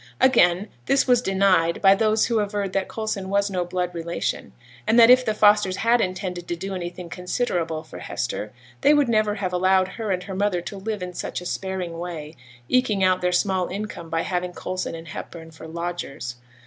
Again, this was denied by those who averred that Coulson was no blood relation, and that if the Fosters had intended to do anything considerable for Hester, they would never have allowed her and her mother to live in such a sparing way, ekeing out their small income by having Coulson and Hepburn for lodgers.